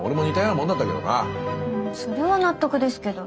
うんそれは納得ですけど。